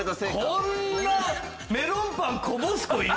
こんなメロンパンこぼす子いる？